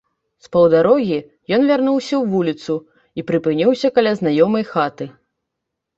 З паўдарогі ён вярнуўся ў вуліцу і прыпыніўся каля знаёмай хаты.